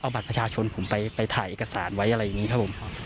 บัตรประชาชนผมไปถ่ายเอกสารไว้อะไรอย่างนี้ครับผม